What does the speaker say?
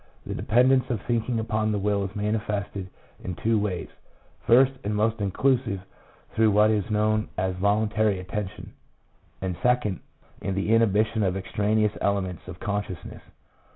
The dependence of thinking upon the will is manifested in two ways; first and most inclusive, through what is known as voluntary attention, and second in the inhibition of extraneous elements of consciousness.